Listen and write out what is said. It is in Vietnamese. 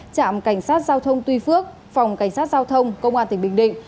trạm cảnh sát giao thông tuy phước phòng cảnh sát giao thông công an tỉnh bình định